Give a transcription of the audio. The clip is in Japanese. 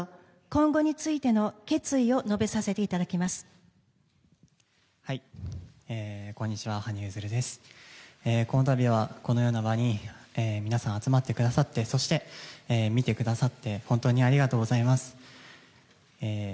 この度は、このような場に皆さん集まってくださってそして、見てくださって本当にありがとうございます。